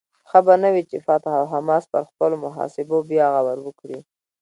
ښه به نه وي چې فتح او حماس پر خپلو محاسبو بیا غور وکړي؟